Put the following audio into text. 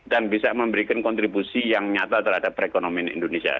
dan bisa memberikan kontribusi yang nyata terhadap perekonomian indonesia